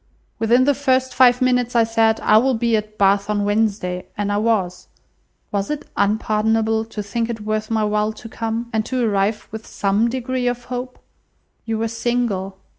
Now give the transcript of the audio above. Within the first five minutes I said, 'I will be at Bath on Wednesday,' and I was. Was it unpardonable to think it worth my while to come? and to arrive with some degree of hope? You were single.